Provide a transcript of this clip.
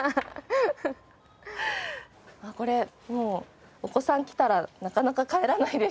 あっこれもうお子さん来たらなかなか帰らないでしょうね。